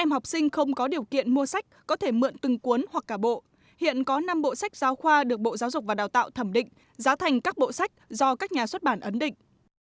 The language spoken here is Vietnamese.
hiện có năm bộ sách giáo khoa được bộ giáo dục và đào tạo thẩm định giá thành các bộ sách do các nhà xuất bản ấn định